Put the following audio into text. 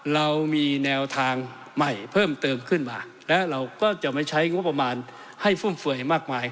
เรามีแนวทางใหม่เพิ่มเติมขึ้นมาและเราก็จะไม่ใช้งบประมาณให้ฟุ่มเฟื่อยมากมาย